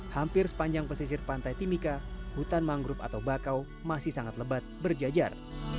hampir sepanjang pesisir pantai timika hutan mangrove atau bakau masih sangat lebat berjajar